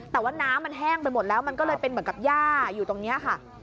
แต่ว่าน้ำมันแห้งไปหมดแล้วมันก็เลยเป็นเหมือนกับย่าอยู่ตรงนี้ค่ะ